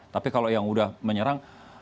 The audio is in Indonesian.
tapi kalau yang udah menyerang